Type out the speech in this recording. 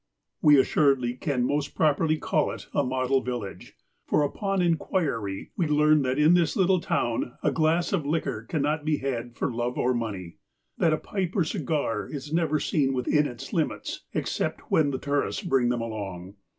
We assuredly can most properly call it a model village, for, upon inquiry, we learn that in this little town a glass of liquor cannot be had for love or money. That a pipe or cigar is never seen within its limits, except when the tourists bring them along.